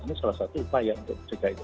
ini salah satu upaya untuk mencegah itu